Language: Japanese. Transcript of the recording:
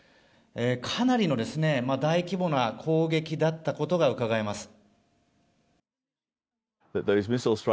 かなりの大規模な攻撃だったことがうかがえます。